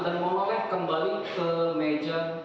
dan menoleh kembali ke meja lima puluh empat